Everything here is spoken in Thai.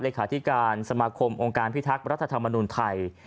เลขาธิการสมาคมองค์การพิทักษ์รัฐธรรมนุนไทย